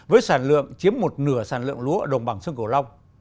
với sản lượng chiếm một nửa sản lượng lúa ở đồng bằng sơn cổ long